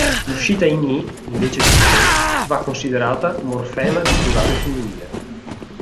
L'uscita in -"i" invece di -"e" va considerata morfema di plurale femminile.